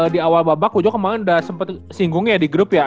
di awal babak kemaren udah sempet singgung ya di group ya